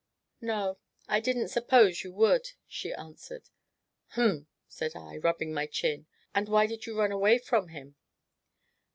"No, I didn't suppose you would," she answered. "Hum!" said I, rubbing my chin. "And why did you run away from him?"